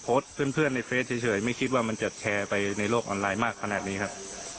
เพื่อนในเฟซเฉยไม่คิดว่ามันจะแชร์ไปในโลกออนไลน์มากขนาดนี้ครับ